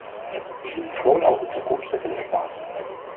Wij zien hier gewoon al de toekomstige lidstaten.